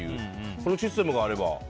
このシステムがあれば。